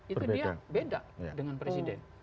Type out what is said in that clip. itu dia beda dengan presiden